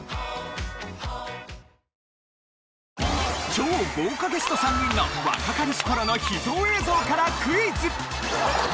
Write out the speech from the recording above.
超豪華ゲスト３人の若かりし頃の秘蔵映像からクイズ！